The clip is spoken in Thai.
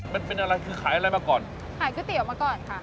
มันเป็นอะไรคือขายอะไรมาก่อนขายก๋วยเตี๋ยวมาก่อนค่ะ